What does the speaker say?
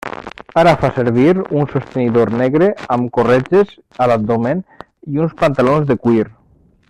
Ara fa servir un sostenidor negre amb corretges a l'abdomen i uns pantalons de cuir.